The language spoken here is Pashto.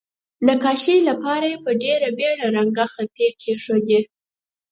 نقاشۍ لپاره یې په ډیره بیړه رنګه خپې کیښودې.